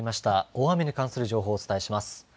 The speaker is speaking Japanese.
大雨に関する情報をお伝えします。